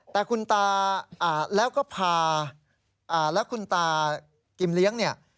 แต่คุณตาแล้วก็พาและคุณตากิมเลี้ยงเนี่ย